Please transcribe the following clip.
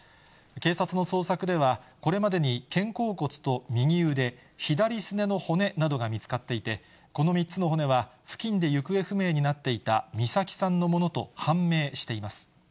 警察の捜索では、これまでに肩甲骨と右腕、左すねの骨などが見つかっていて、この３つの骨は、付近で行方不明になっていた美咲さんのものと判明しています。